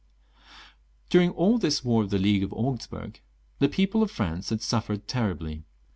During all this war of the League of Augsburg the people of France had suffered terribly.